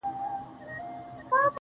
د بدیع، بیان، ادبي مکتبونو